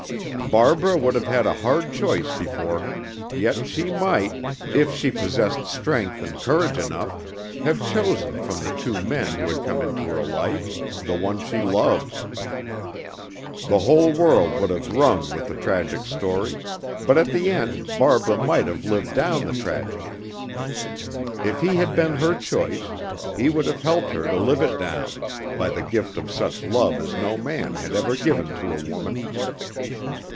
Barbara would have had a hard choice before her; yet she might, if she possessed strength and courage enough, have chosen from the two men who had come into her life, the one she loved. The whole world would have rung with the tragic story, but at the end Barbara might have lived down the tragedy. If he had been her choice, he would have helped her to live it down, by the gift of such love as no man had ever given to a woman.